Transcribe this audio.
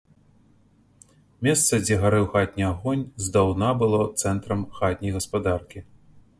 Месца, дзе гарэў хатні агонь, здаўна было цэнтрам хатняй гаспадаркі.